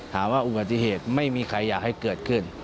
หาว่าอุบัติเหตุไม่มีใครอยากให้เกิดขึ้น